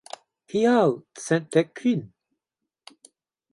Kial cent dek kvin?